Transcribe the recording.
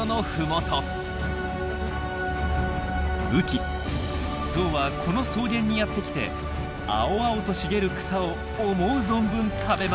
雨季ゾウはこの草原にやって来て青々と茂る草を思う存分食べます。